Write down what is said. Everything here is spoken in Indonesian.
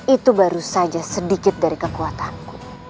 itu baru saja sedikit dari kekuatanku